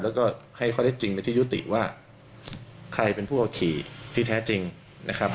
แล้วก็ให้ข้อได้จริงในที่ยุติว่าใครเป็นผู้เอาขี่ที่แท้จริงนะครับ